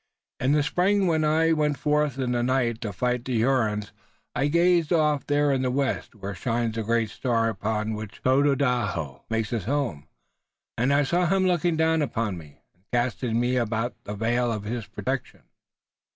In the spring when I went forth in the night to fight the Hurons I gazed off there in the west where shines the great star on which Tododaho makes his home, and I saw him looking down upon me, and casting about me the veil of his protection."